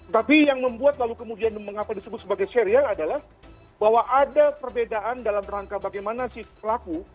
tapi yang membuat lalu kemudian mengapa disebut sebagai serial adalah bahwa ada perbedaan dalam rangka bagaimana si pelaku